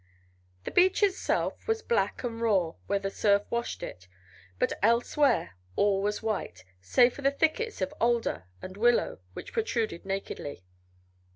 The beach itself was black and raw where the surf washed it, but elsewhere all was white, save for the thickets of alder and willow which protruded nakedly.